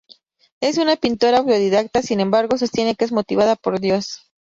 Es una pintora autodidacta, sin embargo, sostiene que es motivada por Dios.